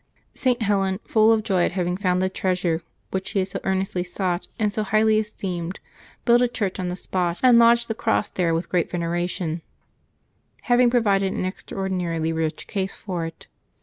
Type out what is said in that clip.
St. Helen, full of joy at having found the treasure which she had so earnestly sought and so highly esteemed, built a church on the spot, and 168 LIVES OF TEE SAINTS [May 4 lodged the cross there with great veneration, having pro vided an extraordinarily rich case for it.